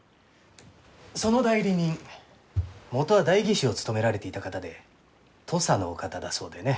その代理人元は代議士を務められていた方で土佐のお方だそうでね。